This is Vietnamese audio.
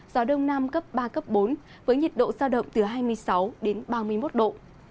gió đông nam cấp ba bốn với nhiệt độ giao động từ hai mươi sáu ba mươi một độ